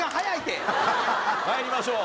参りましょう。